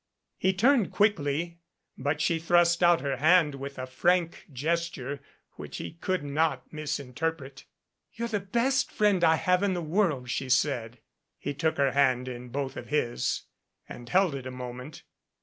He turned quickly but she thrust out her hand with a frank gesture which he could not misinterpret. "You're the best friend I have in the world," she said. He took her hand in both of his and held it a moment.